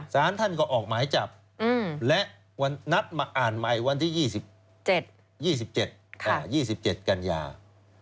สารท่านก็ออกหมายจับและวันนัดมาอ่านใหม่วันที่๒๗๒๗กันยา